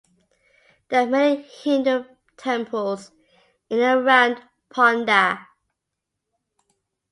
There are many Hindu temples in and around Ponda.